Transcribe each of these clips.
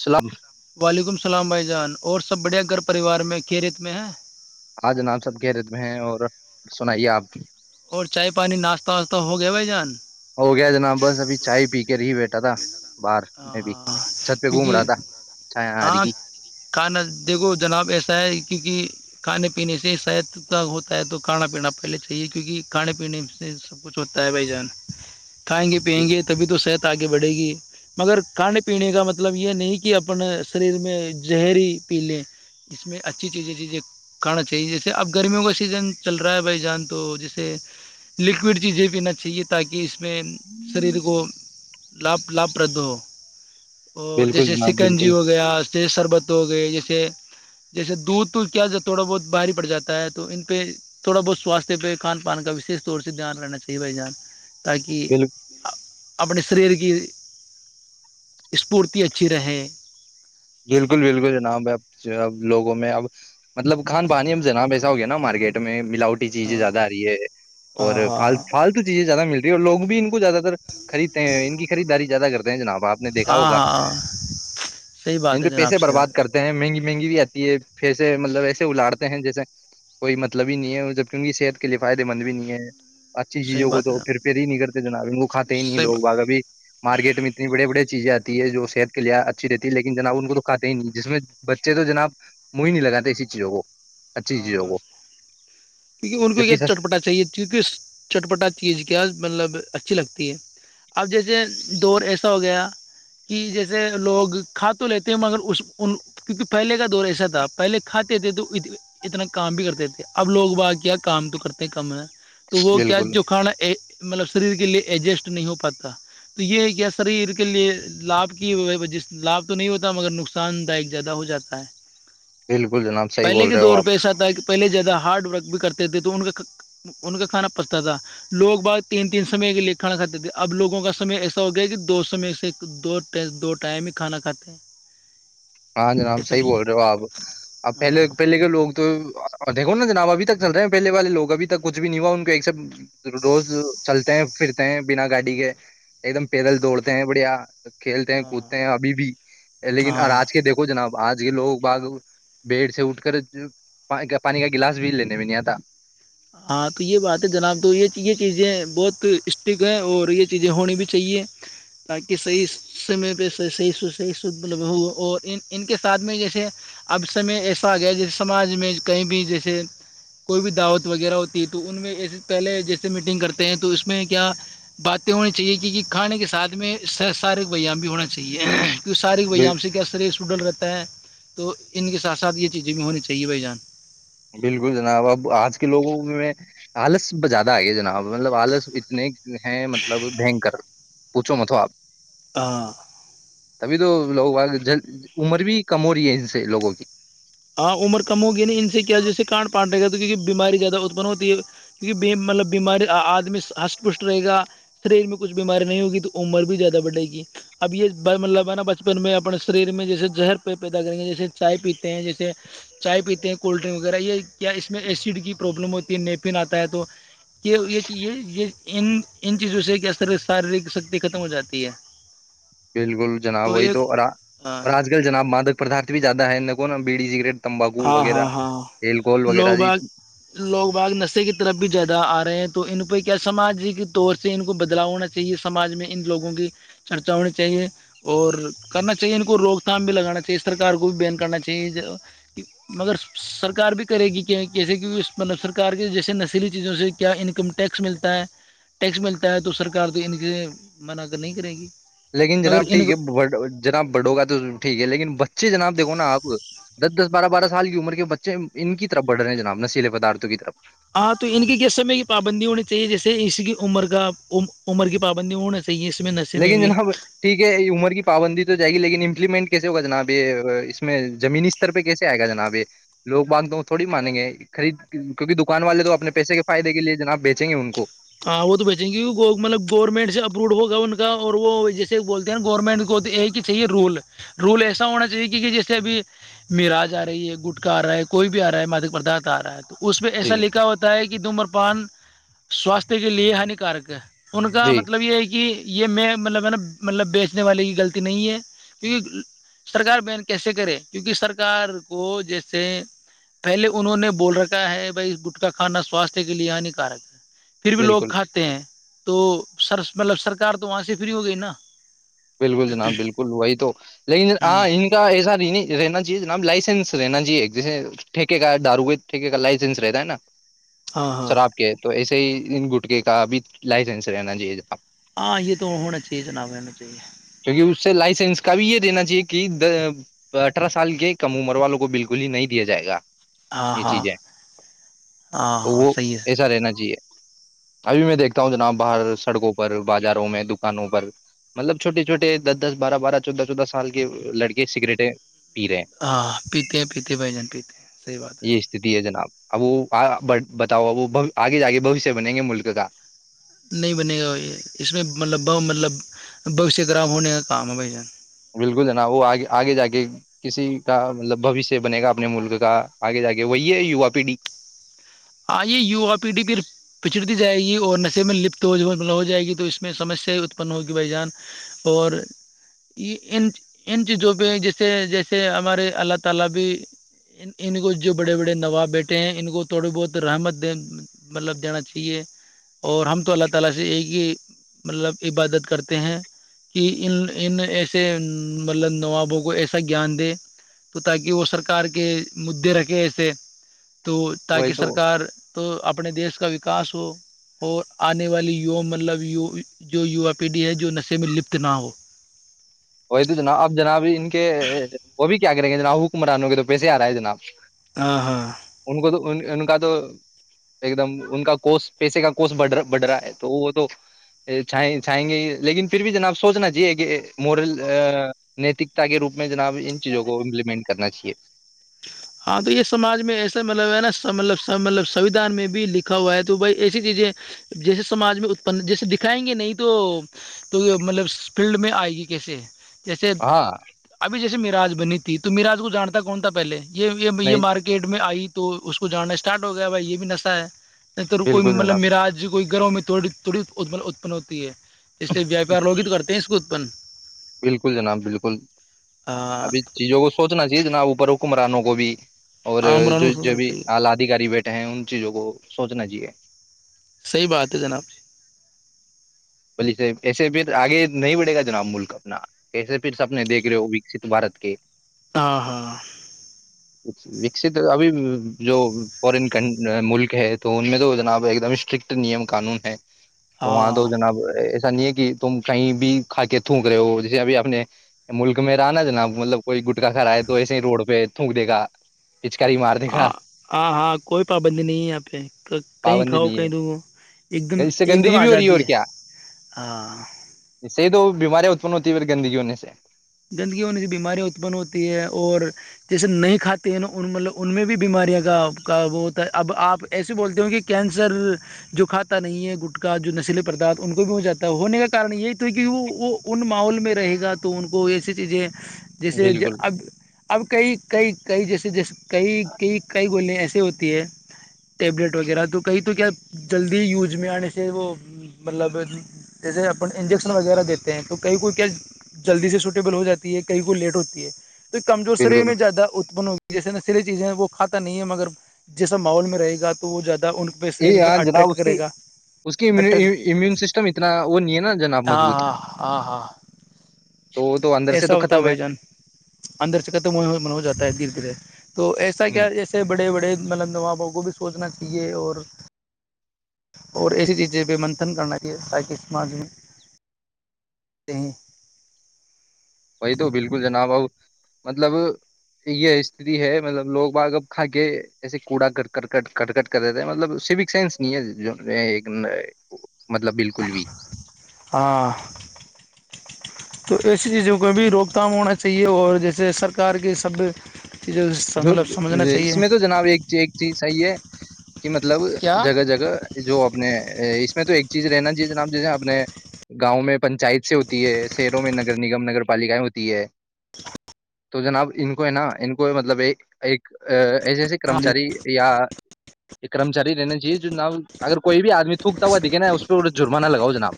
سلب سلام بھائی جان اور سب بڑھیا گھر پریوار میں کھی رت میں ہے آ جناب سب کہہرےت میں ہیں اور سنائیے آپ اور چائے پانی ناشہ واشستہ ہوگ بے جان ہو گیا جناب بس ابھی چائے پی کے رہی بیٹھے ٹدا ہاں ہاں کیونکہ رہا تھا چھایا ہاری ہاں کی کہ ن دیکھو جناب ایسا ہے کیونکہ کھانے پینے سے شاید کا ہوتا ہے تو کھانا پینا پہلے چاہیے کیوںہ کھانے پینے سے سب کچھ ہوتا ہے بھائی جان کھائیں گے پییں گے تبھی تو صحت آگے بڑھے گی مگر کھانے پینے کا مطلب یہ نہیں کہ اپن شریر میں زہری پی لیں اس میں اچھی چیزیں چیزیں کھانا چاہیے جیسے اب گرمیوں کا سیزن چل رہا ہے بھائی جان تو جیسے لکوڈ چیزیں پینا چاہیے تاکہ اس میں سریر کو لپ لپ پرد اور بالکل جیسے جناب سکنجی بالکل ہو گیا جیسے شربت ہو گئے جیسے جیسے دودھ تو کیا تھوڑا بہت باہاری پڑ جاتا ہے تو ان پہ تھوڑا بہت سواستھ پہ کھان پان کا وشش طور سے دھیان رہنا چاہیے بھائی جان تاکہ بال اپنے سریر کی اسفورتی اچھی رہے بالکل بالکل جناب اب اب لوگوں میں اب مطلب کھان پانی میں جناب ایسا ہو گیا نا مارکیٹ میں ملاوٹی چیزیں ہاں زیادہ آ رہی ہے اور ہاں ہاں ہاں فالتو چیزیں زیادہ ملتی لوگ بھی کو زیادہ تر خریدتے ہیں ان کی خریداری زیادہ کرتے ہیں جناب آپ نے دیکھا ہاں ہوگا ہاں ہاں صحیح ان بات ہے پ جناب پیسے صحیح برباد بات کرتے ہیں مہنگی مہنگی بھی آتی ہے پھر سے مطلب ایسے اڑتے ہیں جیسے کوئی مطلب ہی نہیں ہے جب کیونک صحت کے لیے فائدے مند بھی نہیں ہے اچھی صحیح چیزوں کو بات ہے تو پھر جناب پھر ہی نہیں کرتے جناب وہ کو کھے ہی نہیں صحیح لوگ بات بگ ابھی مارکیٹ میں اتنی بڑی بڑی چیزیں آتی ہے جو صحت کے لیے اچھی رہتی لیکن جناب ان کو تو کاتے ہی نہیں جس میں بچے تو جناب منہ ہی نہیں لگے اسی چیزوں کو اچھی چیزوں کو کیونکہ ان کو یہ جبکہ سس چٹپٹا چاہیے چٹپٹا چیز کیا مطلب اچھی لگی اب جیسے دور ایسا ہو گیا کہ جیسے لوگ کھا تو لیتے ہیں مگر کیونکہ پہلے کا دور حصہ تھا پہلے کھاتے تھے تو اتنا کام بھی کرتے تھے اب لوگ بات کیا کام تو کرتے ہیں کم ہیں تو وہ کیا بالکل جو کھانا کے لیے ایجسٹ نہیں ہو پاتا تو یہ گیسر عید کے لیے لاب کیے ہوئے ہیں لاب تو نہیں ہوتا مگر نقصان زیادہ ہو جاتا ہے بالکل جناب صحیح پہلے بول کے رہے ہو دور اپ پہ پہلے جگہ ہارڈ ورک بھی کرتے تھے تو ان کا ان کا کھانا پچھتا تھا لوگ باہر تین تین سمے کے لیے کھڑا کرتے تھے اب لوگوں کا سمی ایسا ہو گیا کہ دوستوں میں سے دو ٹائم ہی کھانا کھاتے ہیں ہاں یہ جناب صحیح سب سے۔ بول رہے ہو اپ اب پہلے ہاں پہلے کے لوگ تو جناب ابھی تک چل رہے ہیں پہلے والے لوگ ابھی تک کچھ بھی نہیں ہوا ان کا ایک سے چلتے ہیں پھرتے ہیں بنا گاڑی کے ایک دم پیدل دوڑتے ہیں بڑھیا کھیلتے ہیں کودتے ہیں ابھی بھی لیکن ہاں جناب اج یہ لوگ باز دیر سے اٹھ کر پانی کا گلاس بھیج لینے بھی نہیں اتا ہاں تو یہ بات ہے جناب تو یہ چیزیں ہیں بہت اسٹک ہے اور یہ چیزیں ہونی بھی چاہیے تاکہ صحیح اس سمے پہ صحیح سے لگا ہوا ہوں اور ان کے ساتھ میں جیسے اب سے میں ایسا ا گیا جیسے سماج میں کہیں بھی جیسے کوئی بھی دعوت وغیرہ ہوتی ہے تو ان میں سے پہلے جیسے میٹنگ کرتے ہیں تو اس میں کیا باتیں ہونی چاہیے کہ کھانے کے ساتھ میں سارے بھائیوں بھی ہونا چاہیے ساری گوگل رہتا ہے تو ان کے ساتھ ساتھ یہ چیزیں بھی ہونی چاہیے بھائی جان جناب اب اج کے لوگوں میں زیادہ ائی ہے جناب مطلب وائرس اتنے جو ہے مطلب پوچھو متو اپ [unintelligible] ابھی تو عمر بھی کم ہو رہی ہے جسے لوگوں کی ہاں عمر کم ہوگی ان سے کیا جیسے کارڈ پاٹے گا بیمار ادمی کا ریل میں کچھ بیمار نہیں ہوگی تو عمر بھی زیادہ بٹے گی اب یہ مرلہ بانہ بچپن میں بڑا سریر میں جیسے زہر پیدا کریں گے جیسے چائے پیتے ہیں چائے پیتے ہیں کولڈنگ وغیرہ یہ یا اس میں ایسیڈ کی پرابلم ہوتی ہے نیپن اتا ہے تو یہ جی یہ یہ ان چیزوں سے کس طرح لکھ سکتے ہیں ختم ہو جاتی ہے بالکل جناب وہی تو ہاں اور اج کل جناب مادت پردگی زیادہ ہے [unintelligible] ہا وغیرہ ہا الکوہول وغیرہ لوگ جی بس لوگ بات نسے کی طرف بھی زیادہ ا رہے ہیں تو ان کو کیا سمجھ رہی تھی تور سے ان کو بدلا ہونا چاہیے سماج میں ان لوگوں کی چرچہ ہونے چاہیے اور کرنا چاہیے ان کو روک تھام بھی لگانا چاہیے اس طرح کار کو بھی بیان کرنا چاہیے مگر سرکار بھی کرے گی کہ کیسے کہ مطلب سرکار کے جیسے نشیلی چیزوں سے کیا انکم ٹیکس ملتا ہے ٹیکس ملتا ہے تو سرک تو ان سے منا کر نہیں کرے گی لیکن مگر جناب ان ٹھیک کو ہے جناب بڑوں کا تو ٹھیک ہے لیکن اچھ جناب دیکو نا آپ دس دس بارہ بارہ سال کی عمر کے بچے ان کی طرف بڑھے ہیں جناب نشیے پدارتوں کی طرف ہاں تو ان کی کس سمے کی پابندی ہونی چاہیے جیسے اس کی عمر کا عمر کی پابندی ہونا چاہیے اس میں نشے میں لیکن بھی جناب ٹھیک ہے عمر کی پابندی تو جائے گی لیکن امپلیمنٹ کیسے ہوگا جناب یہ اس میں زمینی استر پہ کیسے آئے گا جناب یہ لوگ بانگ دو تھوڑی مانیں گے خرید کیہ دکان والے تو اپنے پیسے کے فائدے کے لیے جناب بیچیں گے ان کو ہاں وہ تو بیچے گ کی مطلب گورنمنٹ سے اپروڈ ہوگا ان کا اور وہ جیسے بولتے ہیں نا گورنمنٹ کو کہ چاہیے رول رول ایسا ہونا چاہیے کہ جیسے ابھی مراج آ رہی ہے گٹکا آ رہا ہے کوئی بھی آ رہا ہے مادک پرداراتھ آ رہا ہے تو اس میںہ جی ایسا لکھا ہوتا ہے کہ د مر پان سواستھ کے لیے ہانیکارک ہے ان کا جی مطلب یہ ہے کہ یہ میں مطلب ہے نا مطلب بیچنے والے کی غلطی نہیں ہے کیکہ سرکار بیان کیسے کرے کیونکہ سرکار کو جیسے پہلے انہوں نے بول رکھا ہے بھائی گٹکا کھانا سوستھ کے لیے ہانیکارک ہے پھر بھی لوگ بالکل کھاتے ہیں تو سر مطلب سرک تو وہاں سے فری ہو گئی نا بالکل جناب بالکل وہی تو لیکن ہوں ہاں ان کا ایسا رہنا چاہیے جناب لائسنس رہنا جی جیسے ٹھیکے کا دار ہوئے ٹھیکے کا لائسنس رہتا ہے نا ہاں ہاں شراب کے تو ایسے ہی گٹکے کا ا بھی لائسنس رہنا چاہے آاں یہ تو ہونا چیز نہو چاہیے کیونکہ اس سے لائسنس کا بھی یہ دینا چاہیے کہ اٹھارہ سال کے کم عمر والوں کو بالکل ہی نہیں دیا جائے گا ہاں یہ ہاں چیزیں ہاں تو ہاں وہ صحیح ہے ایسا رہنا چاہیے ابھی میں دیکھتا ہوں جناب باہر سڑکوں پر بازاروں میں دکانوں پر مطلب چھوٹے چھوٹے دس دس بارہ بارہ چودہ چودہ سال کے لڑکے سگریٹ ہیں ہاں پیتے ہیں پیتے بھائی جان پیتے ہیں سحی بات ہیں ہے یہ استتی ہے جناب اب وہ بتاؤ وہ آگے جا کےے بوشیہ بنےیں گے ملک کا نہیں بنے گا بھ اس میں مطلب ب مطلب بوشیہ خراب ہونے کا کام ہے بھائی جان بالکل جنا وہگے آگے جا کے کسی کا مطلب بوشیہ بنے گا اپنے ملک کا آگے جا کے وہی ہے ووا پیڑھی [inaudible] [inaudible] تو تاکہ وہی تو سرک تو اپنے دیش کا وکاس ہو اور آنے والی مطلب جو وو پیڑھی ہے جو نشے میں لپت نہ ہو وہی تو جنا اب جناب ان کے وہ بھی کیا [inaudible] یں گے جنا حکمرانو گے تو پسے آ رہا ہے جناب ہاں ہاں ان کو تو ان کا تو ایک دم ان کا کوس پیسے کا کوس بڑھ رہا ہے تو وہ تو چھائیں گے ہی لیکن پھر بھی جناب سوچنا چاہیے کہ مورل نیتکتا کے روپ میں جناب ان چیزوں کو امپلیمنٹ کرنا چاہیے ہاں تو یہ سماج میں ایسا مطلب ہے نا مطلب مطلب سویدھان میں بھی لکھا ہوا ہے تو بھائی ایسی چیزیں جیسے سمج میں اپ جیسے دکھائیں گے نہیں تو مطلب فیلڈ میں آئے گی کیسے جیسے ہاں ابھی جیسے م رج بنی ت تو میراج کو جانتا کون تھا بلے یہ یہ یہ نہیں مارکیٹ میں آئی تو اس کو جاننا اسٹارٹ ہو گیا بھائی یہ بھی نشہ ہے نہیں تیر کوئی بالکل مطلب جناب مراج کوئی گروں میں تھوڑی تھوڑی اتپن ہوتی ہے جس سے پیار لوگ کرتے ہیں اس کو [unintelligible] بالکل جناب بالکل ہاں ابھی چیزوں کو سوچنا چاہیے جناب اوپر کمرانوں کو بھی اور جو عامران جو بھی صحیح آلہدھیکاری بیٹے ہیں ان چیزوں کو سوچنا چاہیے صحیح بات ہے جناب جی بے ایسے پھر آگے نہیں بڑھے گا جناب ملک اپنا ایسے پھر سبنے دیکھ رہے ہو وکست بارت کے ہاں ہاں کس ابھی جو فورن ملک ہے تو ان میں تو جناب ایک دم اسٹرکٹ نیم قانون ہے تو وہاں ہاں تو جناب ایسا نہیں ہے کہ تم کہیں بھی کھا کے تھونک رہے ہو جیسے ابھی اپنے ملک میں رہا نا ج نا مطلب کوئی گٹکا کھرائے تو ایسے ہی روڈ پہ تھونک دے گا پچکاری مار دے آ گا ہ ہاں کوئی پابندی نہیں ہے یہ پہ کہیں پابندی کھاؤ نہیں کہیں دو ایک دم ہے اس سے ایک دم گندگی بھی ہو رہی آزادی اور ہے [inaudible] کیا بیمارں اتپن ہوتی ہےھر گندگی ہونے سے گندگی میںنے بیماریاں اتپن ہوتی ہے اور جیسے نہیں کھاتے ہیں نا ملب ان میں بھی بیماریاں کا وہ ہوتا ہے اب آپ ایسے بولتے ہو کہ کینسر جو کھاتا نہیں ہے گٹکا جو نشیلے پدارتھ ان کو بھی ہو جاتا ہے ہونے کا کارن یہی تو کہ وہ وہ ان ماحول میں رہے گا تو کوئی ایسے چیزے جیسے بالکل اب اب کئی کئی کئی جیسے ج ج کئی ک کئی گول ہیں وغ ی م جی جلدی سے سوٹیبل ہو جاتی ہے کہیں کو لیٹ ہوتی ہے تو کمزور شری بالکل میں زدہ اتپن ہووںی جیسے ن سلی چیزیں وہ کھاتا نہیں ہے مگر جیسا ماحول میں رہ گا تو وہ جاتدا یہ ہاں جناب اس کی اس کی اٹریکٹ امیون سسٹم اتنا وہ نہیں ہے نا جناب ہاں مضبوط ہاں ہاں ہاں تو وہ تو اندر سے ایسا تو ہوتا ہے ختم بھائی جان اندر سے ختم ہو جاتا ہے دھیرے دھیرے تو ایسا ہ کیا جیسے بڑے بڑے مطلب نوابوں کو بھی اس سوچنا چاہیے اور اور ایسی چیزیں پہ منتھن کرنا چاہیے تاکہ سماج میں وہی تو بالکل جناب اب مطلب یہ استتی ہے مطلب لوگ باگ اب کھا کے ایسے کوڑا کر کرکٹ کرکٹ کر رہتے مطلب سیوک سینس نہیں ہے مطلب بالکل بھی ہاں تو ایسی چیزوں کو بھی روک تھام ہونا چاہیے اور جیسے سرکار کے سب چیزیں جو مطلب سمجھنا چاہیے اس میں تو جناب ایک ایک چیز صحیح ہے کہ مطلب کیا جگہ جگہ جو اپنے اس میں تو ایک چیز رہنا چاہی جناب جیسے اپنے گاؤں میں پنچایت سے ہوتی ہے شہروں میں نگر نگم نگر پالکا ہوتی ہے تو جناب ان کو ہے نا ان کو مطلب یہ ایک ایسے ایسے ہاں کرمچاری یا کرمچاری رہنا چاہیے جو نام اگر کوئی بھی آدمی تھوکتا ہوا دکھینا ہے اس تھڑا جرمانہ لگاؤ جناب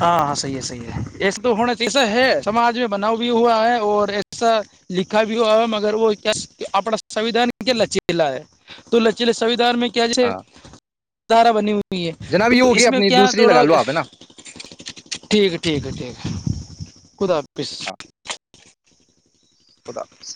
ہاں ہاں صحیح ہے صحیح ہے ایسا تو ہونا چے ایسا ہے سماج میں بناؤ بھی ہوا ہے اور ایسا لکھا بھی ہوا ہے مگر وہ کیا اپنا سھان کیا لچیلا ہے تو لچیلے سوھان میں کیا جسے ہاں ادارا بنیی جناب یہ تو ہوگی اس میں اپنی کیا دوسری لگا تھوڑا لو آپ ہے نا ٹھیک ٹھیک ہے ٹھیک خدا حافظ ہاں خدا حافظ.